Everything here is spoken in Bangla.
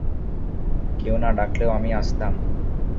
কেউ না ডাকলেও আমি আসতাম।